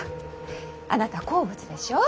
あなた好物でしょう？